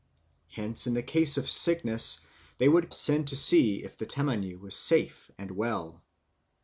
Hence in case of sickness they would send to see if the tamaniu was safe and well."